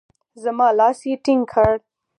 زما لاس يې ټينګ کړ.